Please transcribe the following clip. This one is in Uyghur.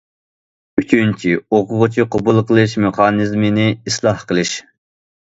ئۈچىنچى، ئوقۇغۇچى قوبۇل قىلىش مېخانىزمىنى ئىسلاھ قىلىش.